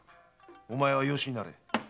おまえは養子になれ。